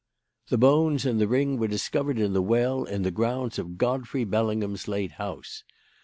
"The bones and the ring were discovered in the well in the grounds of Godfrey Bellingham's late house.